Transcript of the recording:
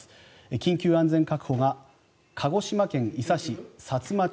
緊急安全確保が鹿児島県伊佐市、さつま町